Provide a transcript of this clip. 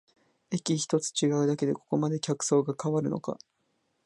駅ひとつ違うだけでここまで客層が変わるのか